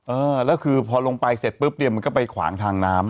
เออแล้วคือพอลงไปเสร็จปุ๊บเนี่ยมันก็ไปขวางทางน้ำ